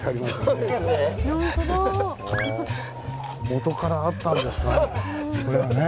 もとからあったんですかね